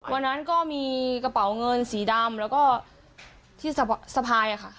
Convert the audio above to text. วันนั้นก็มีกระเป๋าเงินสีดำแล้วก็ที่สะพายค่ะ